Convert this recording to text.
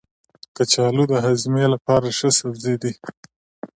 کچالو د هاضمې لپاره ښه سبزی دی.